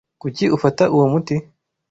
Kuki ufata uwo muti?